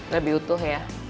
lebih utuh ya